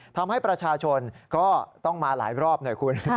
ทำให้ประชาชนก็ต้องมาหลายรอบหน่อยคุณ